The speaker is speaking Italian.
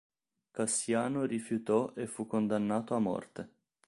Cassiano rifiutò e fu condannato a morte.